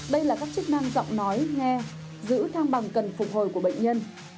đây là các chức năng giọng nói nghe giữ thang bằng cần phục hồi của bệnh nhân